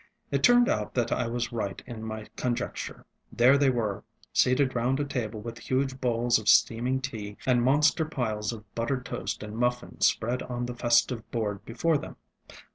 It turned out that I was right in my conjecture. There they were, seated round a table with huge bowls of steaming tea and monster piles of buttered toast and muffins spread on the festive board before them.